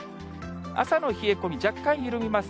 朝の冷え込み、若干緩みます。